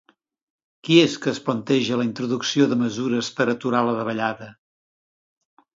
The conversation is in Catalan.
Qui és que es planteja la introducció de mesures per aturar la davallada?